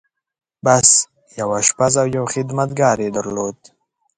بس! يو آشپز او يو خدمتګار يې درلود.